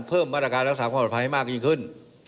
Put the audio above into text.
เพิ่มมาตรการรักษาความปลอดภัยให้มากยิ่งขึ้น